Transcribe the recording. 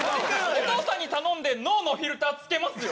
お父さんに頼んで脳のフィルターつけますよ？